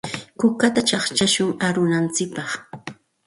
Kukata chaqchashun arunantsikpaq.